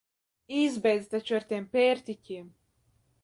Izbeidz taču ar tiem pērtiķiem!